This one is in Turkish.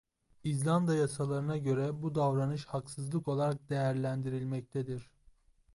İzlanda yasalarına göre bu davranış haksızlık olarak değerlendirilmektedir.